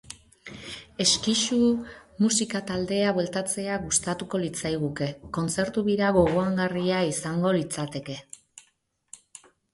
Exkixu musika-taldea bueltatzea gustatuko litzaiguke, kontzertu-bira gogoangarria izango litzateke.